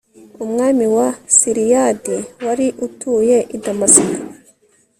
umwami wa siriyadi wari utuye i damasiko